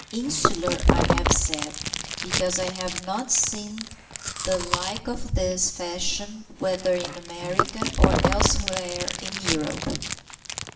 Insular I have said, because I have not seen the like of this fashion whether in America or elsewhere in Europe.